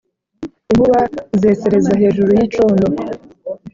Inkuba zesereza hejuru y’icondo